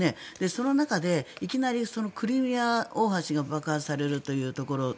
その中で、いきなりクリミア大橋が爆破されるというところ。